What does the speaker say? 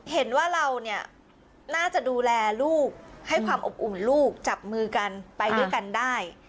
เห็นว่าเราเนี่ยน่าจะดูแลลูกให้ความอบอุ่นลูกจับมือกันไปด้วยกันได้